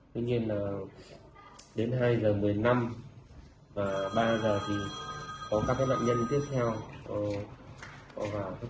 tuy nhiên là đến hai h một mươi năm và ba h thì có các nạn nhân tiếp theo